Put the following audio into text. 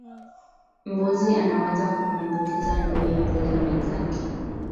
Mbuzi anaweza kumuambukiza ndui mbuzi mwenzake